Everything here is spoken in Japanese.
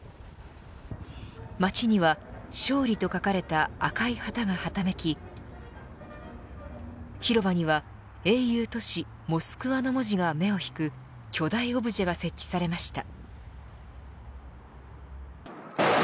街には、勝利と書かれた赤い旗がはためき広場には英雄都市・モスクワの文字が目を引く巨大オブジェが設置されました。